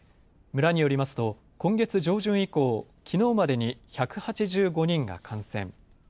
村によりますと今月上旬以降、きのうまでに１８５人が感染。